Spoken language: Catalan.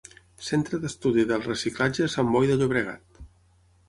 Centre d'Estudi del Reciclatge a Sant Boi de Llobregat.